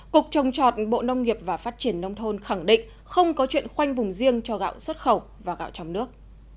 cục trồng trọt bộ nông nghiệp và phát triển nông thôn khẳng định không có chuyện khoanh vùng riêng cho gạo xuất khẩu và gạo trong nước